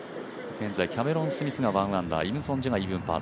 現在、キャメロン・スミスが１アンダーイムソンジェがイーブンパー。